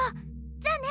じゃあね！